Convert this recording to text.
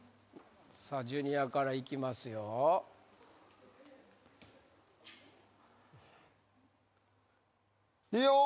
さあジュニアからいきますよいよー！